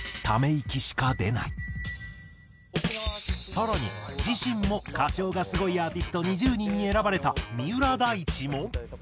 更に自身も歌唱がスゴいアーティスト２０人に選ばれた三浦大知も。